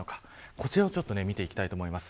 こちらを見ていきたいと思います。